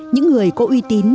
những người có uy tín